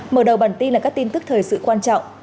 mở đầu bản tin là các tin tức thời sự quan trọng